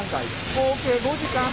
合計５時間半。